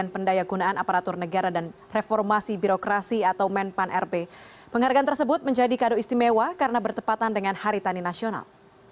pihak harga tersebut menjadi kado istimewa karena bertepatan dengan hari tani nasional